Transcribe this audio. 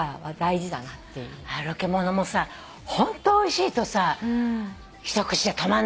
ロケものもさホントおいしいとさ一口じゃ止まんないのよね。